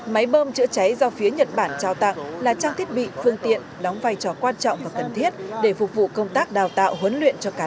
máy bơm chữa cháy do phía nhật bản trao tặng là trang thiết bị phương tiện đóng vai trò quan trọng và cần thiết để phục vụ công tác đào tạo huấn luyện